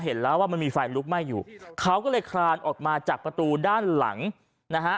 เห็นแล้วว่ามันมีไฟลุกไหม้อยู่เขาก็เลยคลานออกมาจากประตูด้านหลังนะฮะ